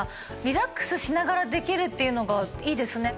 リラックスしながらできるっていうのがいいですね。